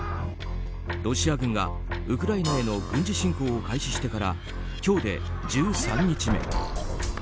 ロシア軍がウクライナへの軍事侵攻を開始してから今日で１３日目。